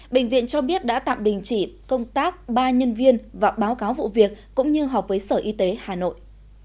bệnh viện cho biết đã tạm đình chỉ công tác ba nhân viên và báo cáo vụ việc cũng như họp với sở y tế hà nội